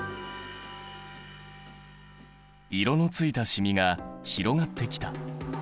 色のついた染みが広がってきた。